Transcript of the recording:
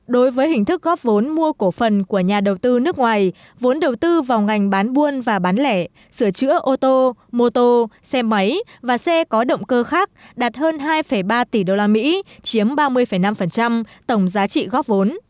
đối với hình thức góp vốn mua cổ phần của nhà đầu tư nước ngoài vốn đầu tư vào ngành bán buôn và bán lẻ sửa chữa ô tô mô tô xe máy và xe có động cơ khác đạt hơn hai ba tỷ usd chiếm ba mươi năm tổng giá trị góp vốn